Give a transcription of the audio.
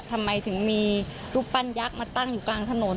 ทำไมถึงมีรูปปั้นยักษ์มาตั้งอยู่กลางถนน